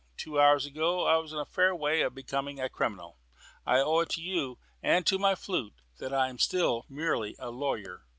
Two hours ago I was in a fair way of becoming a criminal. I owe it to you, and to my flute, that I am still merely a lawyer.